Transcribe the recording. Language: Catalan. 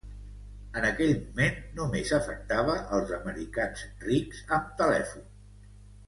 En aquell moment, només afectava els americans rics amb telèfons.